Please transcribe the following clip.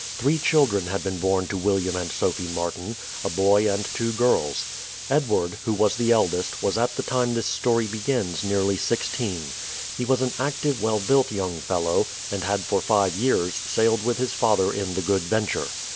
Three children had been born to William and Sophie Martin a boy and two girls. Edward, who was the eldest, was at the time this story begins nearly sixteen. He was an active well built young fellow, and had for five years sailed with his father in the Good Venture.